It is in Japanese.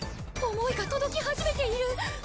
想いが届き始めている！